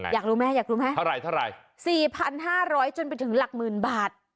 อยากรู้ไหมทราย๔๕๐๐คบจนไปถึงหลักมือนบาท